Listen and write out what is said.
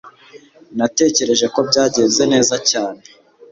natekereje ko byagenze neza cyane